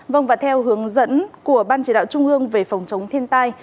vâng và theo hướng dẫn của ban chỉ đạo trung ương về phòng chống thiên tai